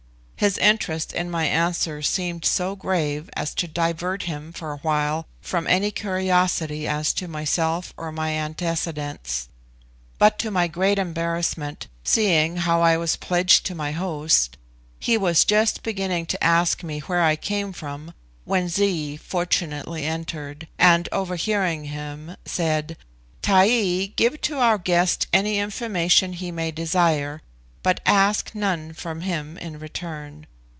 His interest in my answers seemed so grave as to divert him for a while from any curiosity as to myself or my antecedents. But to my great embarrassment, seeing how I was pledged to my host, he was just beginning to ask me where I came from, when Zee, fortunately entered, and, overhearing him, said, "Taee, give to our guest any information he may desire, but ask none from him in return.